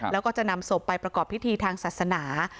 แล้วก็จะนำศพไปประกอบพิธีทางศาสนา